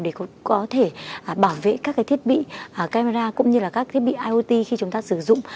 để có thể bảo vệ các thiết bị camera cũng như là các thiết bị iot khi chúng ta sử dụng